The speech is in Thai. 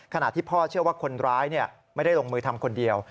ที่พ่อเชื่อว่าคนร้ายไม่ได้ลงมือทำคนเดียว